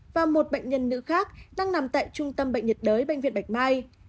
và một bệnh nhân nữ khác đang nằm tại trung tâm bệnh nhiệt đới bệnh viện bạch mai